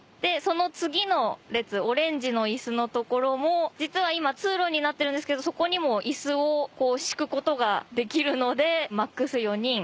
その次の列オレンジの椅子の所も実は今通路になってるんですけどそこにも椅子を敷くことができるのでＭＡＸ４人。